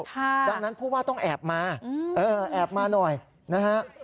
ดังนั้นผู้ว่าต้องแอบมาแอบมาหน่อยนะฮะ